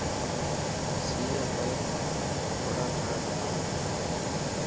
سيءَ مَ پڪوڙا کاڻ کپن